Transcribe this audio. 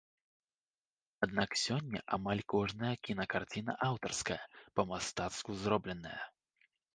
Аднак сёння амаль кожная кінакарціна аўтарская, па-мастацку зробленая.